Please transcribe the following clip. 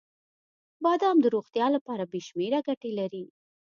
• بادام د روغتیا لپاره بې شمیره ګټې لري.